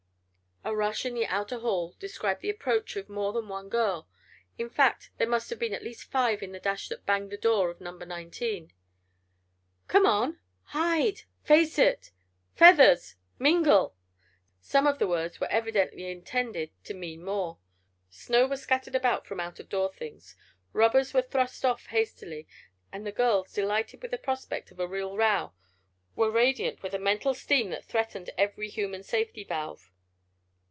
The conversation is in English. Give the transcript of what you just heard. A rush in the outer hall described the approach of more than one girl. In fact there must have been at least five in the dash that banged the door of Number Nineteen. "Come on!" "Hide!" "Face it!" "Feathers!" "Mingle!" Some of the words were evidently intended to mean more. Snow was scattered about from out of door things, rubbers were thrust off hastily, and the girls, delighted with the prospect of a real row, were radiant with a mental steam that threatened every human safety valve.